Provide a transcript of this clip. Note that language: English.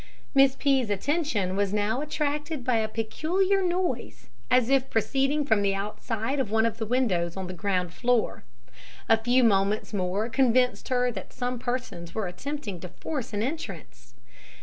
Miss P 's attention was now attracted by a peculiar noise, as if proceeding from the outside of one of the windows on the ground floor. A few moments more convinced her that some persons were attempting to force an entrance.